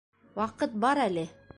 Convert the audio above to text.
- Ваҡыт бар әле.